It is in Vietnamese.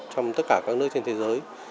trong tất cả các nước trên thế giới